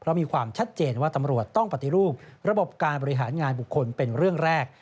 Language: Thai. เพราะมีความชัดเจนว่าตำรวจต้องปฏิรูประบบการบริหารงานบุคคลเป็นเรื่องแรก